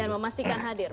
dan memastikan hadir